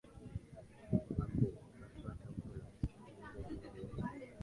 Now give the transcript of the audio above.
bagbo natoa tamko la kupuuza juhudi hizo